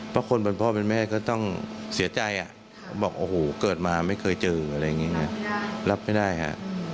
เพราะคนเป็นพ่อเป็นแม่ก็ต้องเสียใจบอกโอ้โหเกิดมาไม่เคยเจออะไรอย่างนี้ไงรับไม่ได้ฮะ